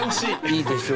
いいでしょ？